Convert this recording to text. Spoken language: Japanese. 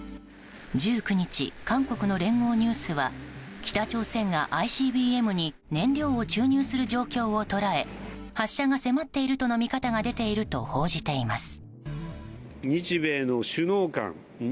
１９日、韓国の聯合ニュースは北朝鮮がＩＣＢＭに燃料を注入する状況を捉え発射が迫っているとの見方が出ていると報じています。